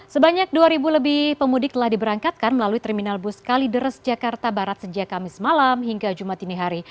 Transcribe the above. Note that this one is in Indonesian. sebanyak dua lebih pemudik telah diberangkatkan melalui terminal bus kalideres jakarta barat sejak kamis malam hingga jumat ini hari